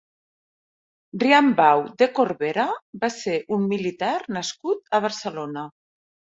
Riambau de Corbera va ser un militar nascut a Barcelona.